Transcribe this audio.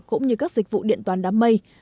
cũng như các dịch vụ điện toàn đám mây